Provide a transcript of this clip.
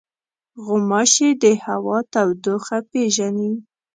غوماشې د هوا تودوخه پېژني.